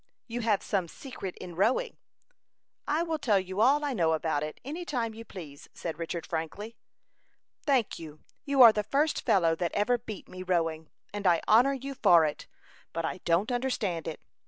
"You have some secret in rowing." "I will tell you all I know about it, any time you please," said Richard, frankly. "Thank you; you are the first fellow that ever beat me rowing, and I honor you for it, but I don't understand it.